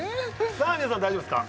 さあ皆さん大丈夫ですか？